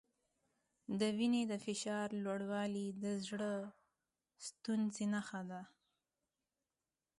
د وینې د فشار لوړوالی د زړۀ ستونزې نښه ده.